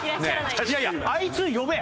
いやいやあいつ呼べや！